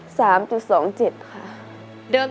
ขอบคุณครับ